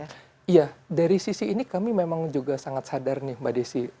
iya dari sisi ini kami memang juga sangat sadar nih mbak desi